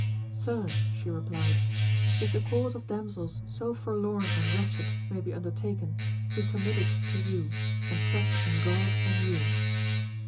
Sirs, she replied, if the cause of damsels so forlorn and wretched may be undertaken, we commit it to you, and trust in God and you.